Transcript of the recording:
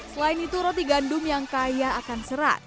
selain itu roti gandum yang kaya akan serat